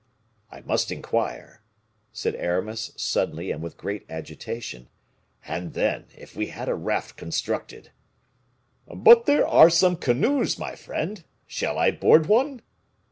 "I must inquire," said Aramis, suddenly, and with great agitation. "And then, if we had a raft constructed " "But there are some canoes, my friend; shall I board one?"